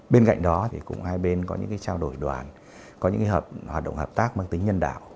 bên cạnh đó thì cũng hai bên có những trao đổi đoàn có những hoạt động hợp tác mang tính nhân đạo